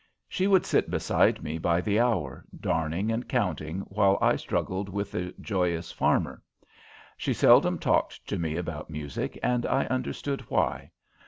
She would sit beside me by the hour, darning and counting, while I struggled with the "Joyous Farmer." She seldom talked to me about music, and I understood why.